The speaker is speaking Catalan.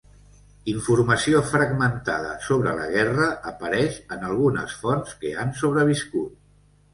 Informació fragmentada sobre la guerra apareix en algunes fonts que han sobreviscut.